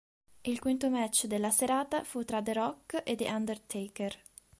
Il quinto match della serata fu tra The Rock e The Undertaker.